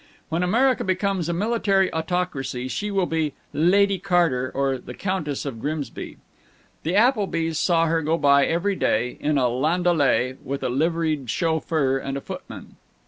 When America becomes a military autocracy she will be Lady Carter or the Countess of Grimsby. The Applebys saw her go by every day, in a landaulet with liveried chauffeur and footman.